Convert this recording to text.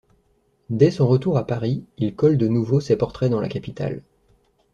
Dès son retour à Paris, il colle de nouveau ces portraits dans la capitale.